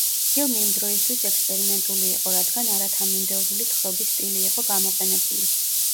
ფილმი იმ დროისთვის ექსპერიმენტული იყო, რადგან არათანმიმდევრული თხრობის სტილი იყო გამოყენებული.